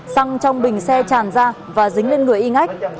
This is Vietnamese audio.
xăng trong bình xe tràn ra và dính lên người i ngách